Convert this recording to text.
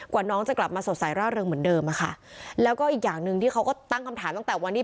น้องจะกลับมาสดใสร่าเริงเหมือนเดิมอะค่ะแล้วก็อีกอย่างหนึ่งที่เขาก็ตั้งคำถามตั้งแต่วันนี้